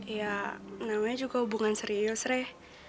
ya namanya juga hubungan serius